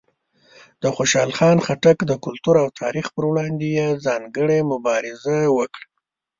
د خوشحال خان خټک د کلتور او تاریخ پر وړاندې یې ځانګړې مبارزه وکړه.